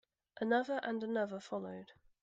Another and another followed.